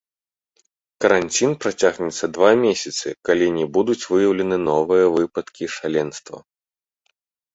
Каранцін працягнецца два месяцы, калі не будуць выяўленыя новыя выпадкі шаленства.